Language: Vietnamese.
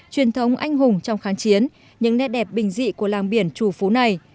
truyền thống anh hùng trong kháng chiến những nét đẹp bình dị của làng biển trù phú này